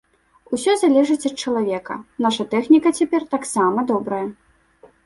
Усё залежыць ад чалавека, наша тэхніка цяпер таксама добрая.